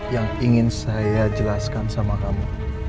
yang ingin saya jelaskan sama kamu